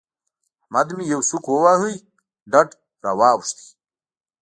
احمد مې يوه سوک وواهه؛ ډډ را واړاوو.